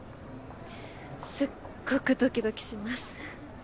すっごくドキドキします。